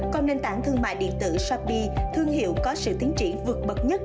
còn nền tảng thương mại điện tử shopee thương hiệu có sự tiến triển vượt bậc nhất